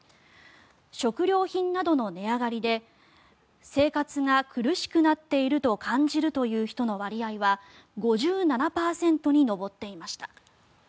食料品などの値上がりで生活が苦しくなっていると感じるという人の割合は５７％に上っていました。